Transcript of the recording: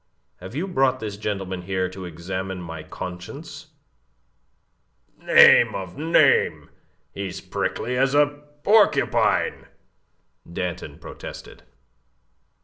Have you brought this gentleman here to examine my conscience?" "Name of a name! He's prickly as a porcupine!" Danton protested.